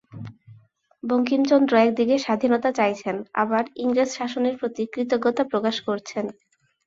বঙ্কিমচন্দ্র একদিকে স্বাধীনতা চাইছেন, আবার ইংরেজ শাসনের প্রতি কৃতজ্ঞতা প্রকাশ করছেন।